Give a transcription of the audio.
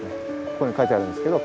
ここに書いてあるんですけど「